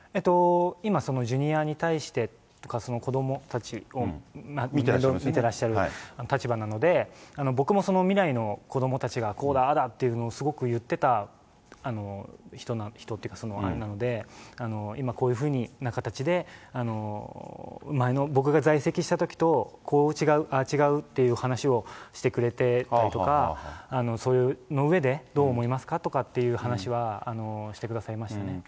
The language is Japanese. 今、そのジュニアに対してとか、子どもたちを見てらっしゃる立場なので、僕もその未来の子どもたちがこうだああだっていうのをすごく言ってた人っていうか、あれなので、今こういうふうな形で、前の、僕が在籍したときとこう違う、ああ違うっていう話をしてくれてたりとか、その上でどう思いますかっていう話はしてくださいましたね。